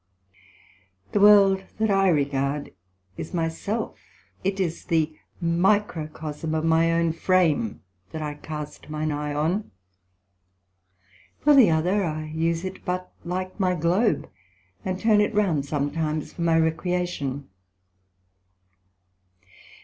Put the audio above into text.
The world that I regard is my self; it is the Microcosm of my own frame that I cast mine eye on; for the other, I use it but like my Globe, and turn it round sometimes for my recreation.